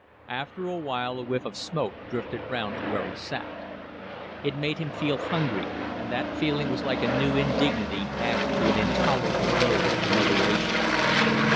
After a while a whiff of smoke drifted round to where he sat. It made him feel hungry, and that feeling was like a new indignity added to an intolerable load of humiliations.